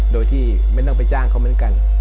โดยที่ไม่ต้องไปจ้างเขาเหมือนกัน